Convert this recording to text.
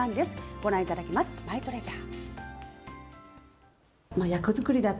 ご覧いただきます、マイトレジャー。